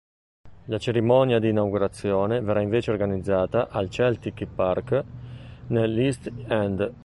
La cerimonia di inaugurazione verrà invece organizzata al Celtic Park, nell"'East End".